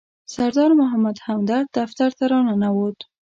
سردار محمد همدرد دفتر ته راننوت.